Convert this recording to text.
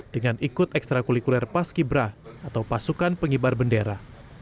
dengan ikut ekstra kulikuler paski bra atau pasukan pengibar bendera